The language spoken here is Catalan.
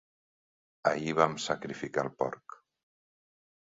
Ahir vam sacrificar el porc.